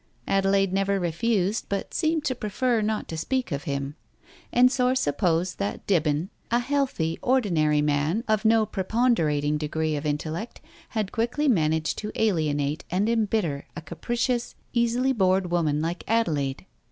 Adelaide never refused but seemed to prefer not to speak of him. Ensor supposed that Dibben, a healthy, ordinary man of no preponderating degree of intellect, had quickly managed to alienate and embitter a capricious, easily bored woman like Adelaide.